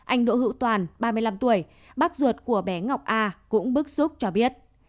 anh đỗ hữu toàn ba mươi năm tuổi bác ruột của bé ngọc a cũng bức xúc cho biết